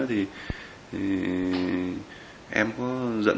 thì em có giận